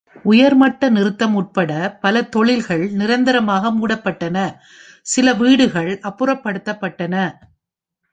உயர்மட்ட நிறுத்தம் உட்பட பல தொழில்கள் நிரந்தரமாக மூடப்பட்டன, சில வீடுகள் அப்புறப்படுத்தப்பட்டன.